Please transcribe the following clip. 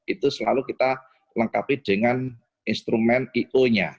itu selalu kita lengkapi dengan instrumen i o nya